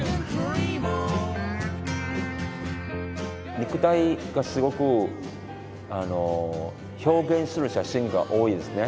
肉体がすごく表現する写真が多いですね。